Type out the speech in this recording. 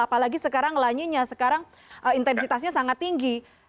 apalagi sekarang lanya sekarang intensitasnya sangat tinggi